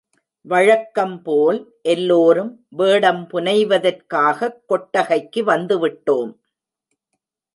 வழக்கம்போல் எல்லோரும் வேடம் புனைவதற்காகக் கொட்டகைக்கு வந்துவிட்டோம்.